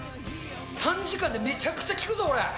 短時間でめちゃくちゃ効くぞ、これ。